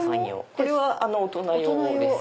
これは大人用です。